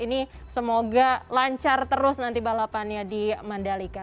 ini semoga lancar terus nanti balapannya di mandalika